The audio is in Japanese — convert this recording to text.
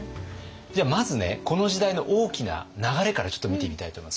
じゃあまずねこの時代の大きな流れからちょっと見てみたいと思います。